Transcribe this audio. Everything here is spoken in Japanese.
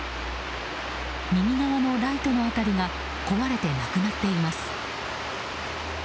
右側のライトの辺りが壊れてなくなっています。